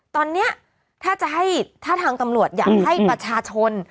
ตอนนี้ถ้าจะให้ถ้าทางตำรวจอยากให้ประชาชน